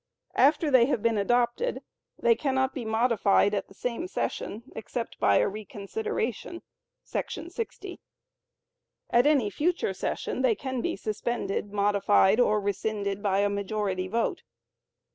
After they have been adopted, they cannot be modified at the same session except by a reconsideration [§ 60]. At any future session they can be suspended, modified or rescinded by a majority vote.